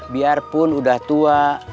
biarpun udah tua